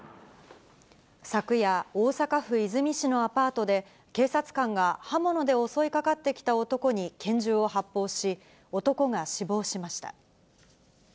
昨夜、大阪府和泉市のアパートで、警察官が刃物で襲いかかってきた男に拳銃を発砲し、男が死亡しました。